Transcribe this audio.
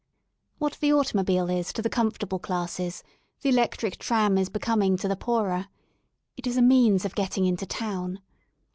What the automobile is to the comfortable classes the electric tram is becoming to the poorer. It is a means of getting into town.